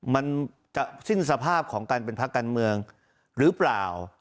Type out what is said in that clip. มันจะสิ้นสภาพของการเป็นพักการเมืองหรือเปล่า